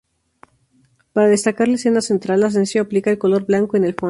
Para destacar la escena central, Asensio aplica el color blanco en el fondo.